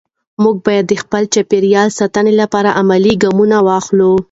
موږ باید د چاپېریال ساتنې لپاره عملي ګامونه واخلو